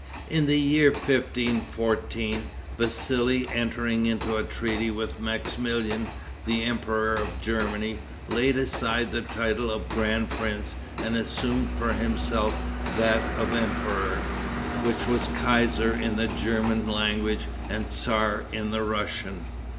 In the year 1514, Vassili, entering into a treaty with Maximilian, the Emperor of Germany, laid aside the title of grand prince and assumed for himself that of emperor, which was Kayser in the German language and Tzar in the Russian.